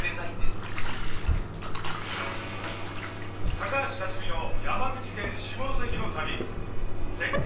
高橋克実の山口県下関の旅絶景